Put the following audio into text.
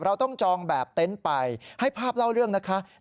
เราต้องจองแบบเต็นต์ไปให้ภาพเล่าเรื่องนะคะ